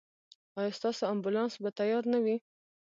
ایا ستاسو امبولانس به تیار نه وي؟